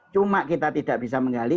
cuma kita tidak bisa menggali